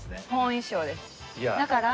だから。